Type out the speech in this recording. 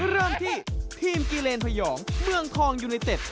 เริ่มที่ทีมกิเลนพยองเมืองทองยูไนเต็ด